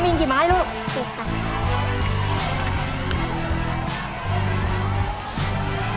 น้ำอิงกี่ไม้ลูกสิบค่ะ